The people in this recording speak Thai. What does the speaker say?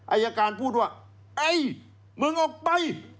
ไอร์การพูดว่าเฮ้ยมึงออกไป